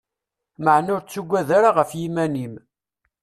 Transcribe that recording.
Maɛna ur tugadeḍ ara ɣef yiman-im.